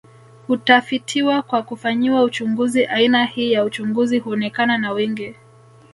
Hutafitiwa kwa kufanyiwa uchunguzi aina hii ya uchunguzi huonekana na wengi